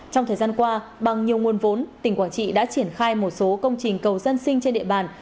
trong thời gian qua bằng nhiều nguồn vốn tỉnh quảng trị đã triển khai một số công trình cầu dân sinh trên địa bàn